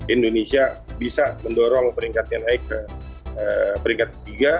indonesia bisa mendorong peringkat yang naik